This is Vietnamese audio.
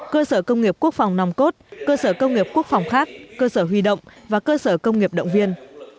cơ sở công nghiệp quốc phòng nòng cốt cơ sở công nghiệp quốc phòng khác cơ sở huy động và cơ sở công nghiệp động viên